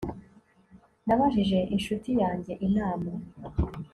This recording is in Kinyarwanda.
Nabajije inshuti yanjye inama